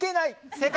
正解。